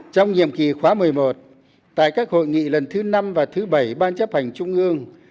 trong nhiệm kỳ khóa một mươi một tại các hội nghị lần thứ năm và thứ bảy ban chấp hành trung ương